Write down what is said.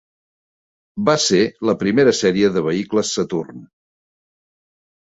Va ser la primera sèrie de vehicles Saturn.